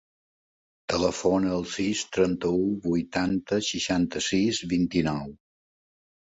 Telefona al sis, trenta-u, vuitanta, seixanta-sis, vint-i-nou.